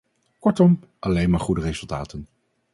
Kortom, alleen maar goede resultaten.